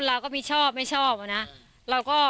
แล้วอันนี้ก็เปิดแล้ว